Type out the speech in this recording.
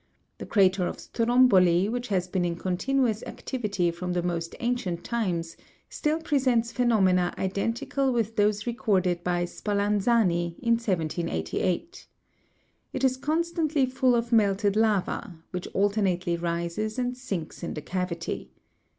The crater of Stromboli, which has been in continuous activity from the most ancient times, still presents phenomena identical with those recorded by Spallanzani, in 1788. It is constantly full of melted lava, which alternately rises and sinks in the cavity.